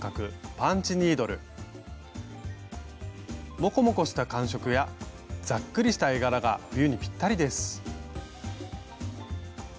モコモコした感触やざっくりした絵柄が冬にピッタリです。